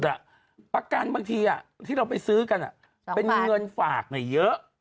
ประกันบางทีที่เราไปซื้อกันเป็นเงินฝากเยอะ